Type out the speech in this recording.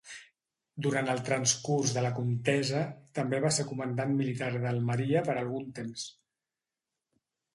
Durant el transcurs de la contesa també va ser comandant militar d'Almeria per algun temps.